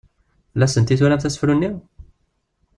Fell-asent i turamt asefru-nni?